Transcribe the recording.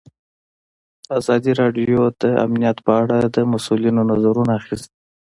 ازادي راډیو د امنیت په اړه د مسؤلینو نظرونه اخیستي.